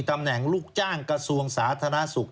ตำแหน่งลูกจ้างกระทรวงสาธารณสุข